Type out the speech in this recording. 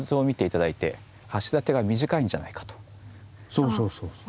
そうそうそうそう。